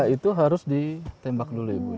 itu harus ditembak dulu